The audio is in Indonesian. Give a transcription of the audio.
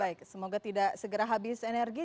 baik semoga tidak segera habis energi